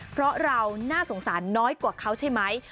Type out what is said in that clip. เพราะเราน่าสงสารน้อยกว่าเขาใช่ไหม